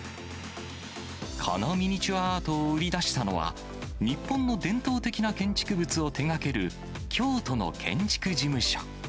このミニチュアアートを生み出したのは、日本の伝統的な建築物を手がける京都の建築事務所。